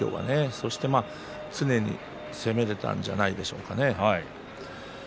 そして常に攻められたんじゃないでしょうかね。